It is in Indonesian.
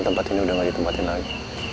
tempat ini udah gak ditempatin lagi